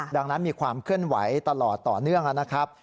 ดังนั้นมีความเคลื่อนไหวตลอดต่อเนื่องนะครับ